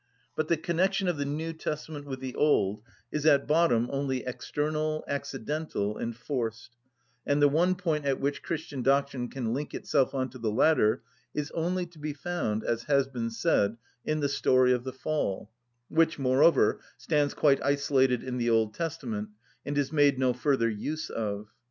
But the connection of the New Testament with the Old is at bottom only external, accidental, and forced; and the one point at which Christian doctrine can link itself on to the latter is only to be found, as has been said, in the story of the fall, which, moreover, stands quite isolated in the Old Testament, and is made no further use of.